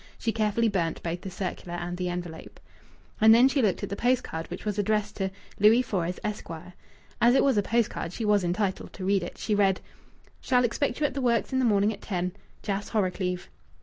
She carefully burnt both the circular and the envelope. And then she looked at the post card, which was addressed to "Louis Fores, Esq." As it was a post card, she was entitled to read it. She read: "Shall expect you at the works in the morning at ten. Jas. Horrocleave."